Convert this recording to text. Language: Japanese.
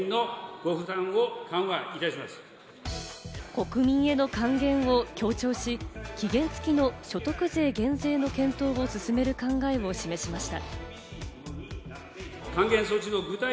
国民への還元を強調し、期限付きの所得税減税の検討を進める考えを示しました。